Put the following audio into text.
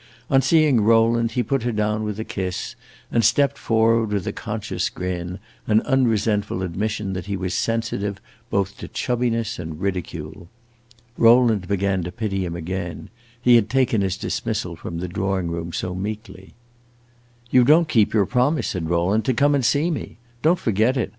On seeing Rowland he put her down with a kiss, and stepped forward with a conscious grin, an unresentful admission that he was sensitive both to chubbiness and ridicule. Rowland began to pity him again; he had taken his dismissal from the drawing room so meekly. "You don't keep your promise," said Rowland, "to come and see me. Don't forget it.